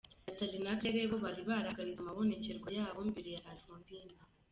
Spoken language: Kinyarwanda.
Nathalie na Claire bo, bari barahagaritse amabonekerwa yabo mbere ya Alphonsine.